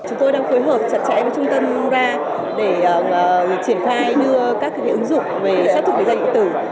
chúng tôi đang phối hợp chặt chẽ với trung tâm ra để triển khai đưa các ứng dụng về sát thục định danh điện tử